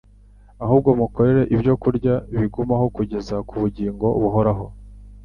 ahubwo mukorere ibyo kurya bigumaho kugeza ku bugingo buhoraho."